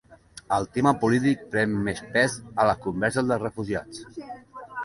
El tema polític pren més pes en les converses dels refugiats.